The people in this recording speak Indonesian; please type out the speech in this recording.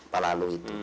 pak lalu itu